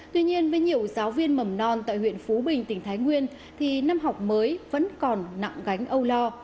tuy nhiên với nhiều giáo viên mầm non tại huyện phú bình tỉnh thái nguyên thì năm học mới vẫn còn nặng gánh âu lo